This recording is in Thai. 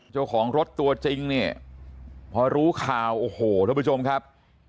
เจ้าของรถตัวจริงเนี่ยพอรู้ข่าวโอ้โหท่านผู้ชมครับ